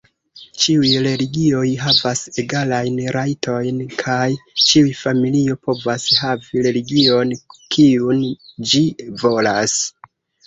Ĉiuj religioj havas egalajn rajtojn, kaj ĉiu familio povas havi religion, kiun ĝi volas.